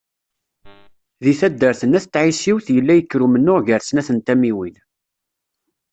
Di taddart n Ayt Tɛisiwt yella yekker umennuɣ gar snat n tamiwin.